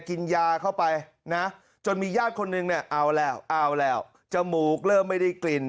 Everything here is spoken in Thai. กินยาเข้าไปนะจนมีญาติคนนึงเนี่ยเอาแล้วเอาแล้วจมูกเริ่มไม่ได้กลิ่น